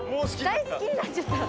大好きになっちゃった。